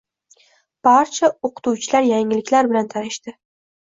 Barcha o‘qituvchilar yangiliklar bilan tanishdi.